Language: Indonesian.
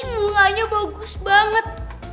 bunganya bagus banget